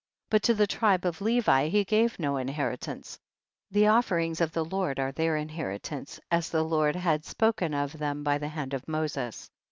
16. But to the tribe of Levi he gave no inheritance, the offerings of the Lord are their inheritance as the Lord had spoken of them by the hand of Moses.